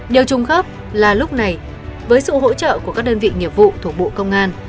điều trùng khớp là lúc này với sự hỗ trợ của các đơn vị nghiệp vụ thuộc bộ công an